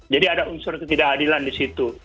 jadi ada unsur ketidakadilan di situ